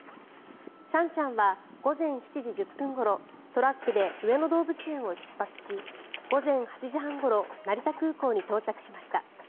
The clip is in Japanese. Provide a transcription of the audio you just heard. シャンシャンは午前７時１０分ごろトラックで上野動物園を出発し午前８時半ごろ成田空港に到着しました。